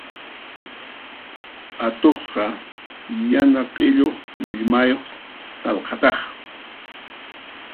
Atuqqa yana q'illu willmayuq sallqataq.